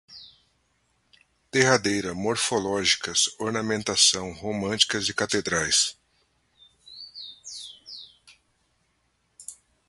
Derradeira, morfológicas, ornamentação, romântica, catedrais